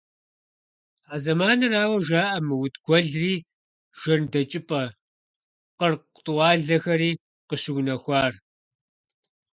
А зэманырауэ жаӀэ МыутӀ гуэлри, ЖэмдэкӀыпӀэ, Къыркъ тӀуалэхэри къыщыунэхуар.